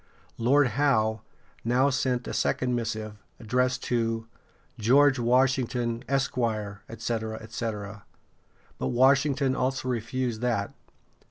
Lord Howe now sent a second missive, addressed to "George Washington, Esq., etc., etc.;" but Washington also refused that.